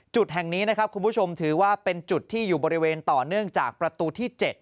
จุดแห่งนี้นะครับคุณผู้ชมถือว่าเป็นจุดที่อยู่บริเวณต่อเนื่องจากประตูที่๗